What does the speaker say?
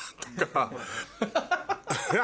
ハハハハ。